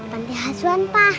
nanti hasuan pa